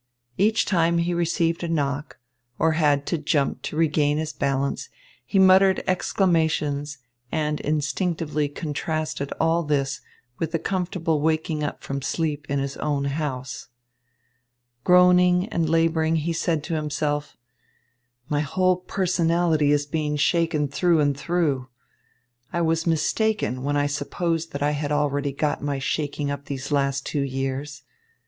Each time he received a knock, or had to jump to regain his balance, he muttered exclamations and instinctively contrasted all this with the comfortable waking up from sleep in his own house. Groaning and labouring, he said to himself: "My whole personality is being shaken through and through. I was mistaken when I supposed that I had already got my shaking up these last two years.